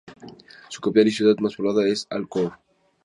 Su capital y ciudad más poblada es Al Khor.